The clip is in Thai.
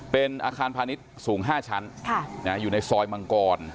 เป็นอาคารพาณิชย์สูง๕ชั้นอยู่ในซอยมังกร